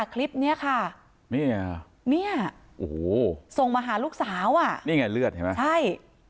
คลิปนี้ค่ะเนี่ยโอ้โหส่งมาหาลูกสาวอ่ะนี่ไงเลือดเห็นไหมใช่